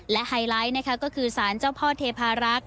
และไฮไลท์นะคะก็คือสารเจ้าพ่อเทพารักษ